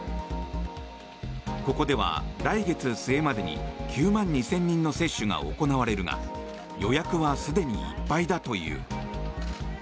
ここでは来月末までに９万２０００人の接種が行われるが予約はすでにいっぱいだという。